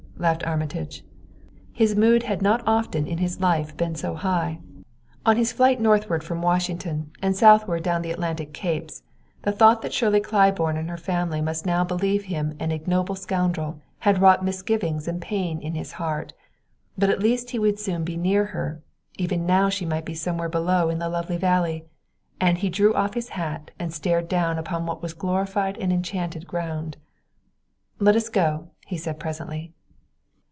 laughed Armitage. His mood had not often in his life been so high. On his flight northward from Washington and southward down the Atlantic capes, the thought that Shirley Claiborne and her family must now believe him an ignoble scoundrel had wrought misgivings and pain in his heart; but at least he would soon be near her even now she might be somewhere below in the lovely valley, and he drew off his hat and stared down upon what was glorified and enchanted ground. "Let us go," he said presently.